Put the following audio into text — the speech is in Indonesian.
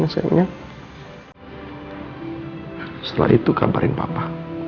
setelah itu kabarin papa